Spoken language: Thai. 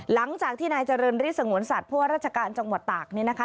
หลังจากที่นายเจริญฤทธงวนสัตว์พวกราชการจังหวัดตากเนี่ยนะคะ